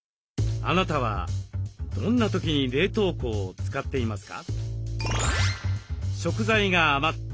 あなたはどんな時に冷凍庫を使っていますか？